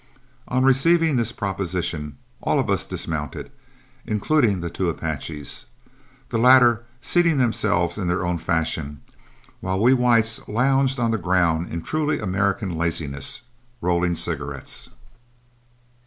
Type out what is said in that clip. On receiving this proposition, all of us dismounted, including the two Apaches, the latter seating themselves in their own fashion, while we whites lounged on the ground in truly American laziness, rolling cigarettes.